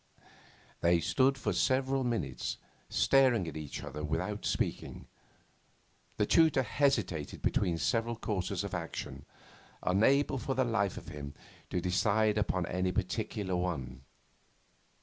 They stood for several minutes, staring at each other without speaking. The tutor hesitated between several courses of action, unable, for the life of him, to decide upon any particular one.